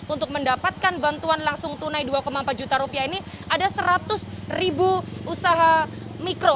untuk mendapatkan bantuan langsung tunai dua empat juta rupiah ini ada seratus ribu usaha mikro